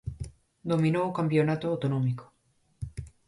Dominou o campionato autonómico.